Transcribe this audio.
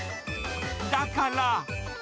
だから。